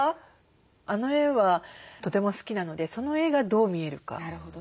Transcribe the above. あの絵はとても好きなのでその絵がどう見えるか。